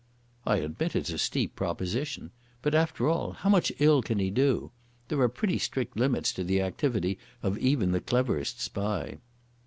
"I admit it's a steep proposition. But after all how much ill can he do? There are pretty strict limits to the activity of even the cleverest spy."